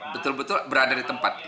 betul betul berada di tempat